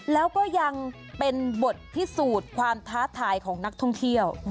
แล้วก็ยังเป็นบทพิสูจน์ความท้าทายของนักท่องเที่ยว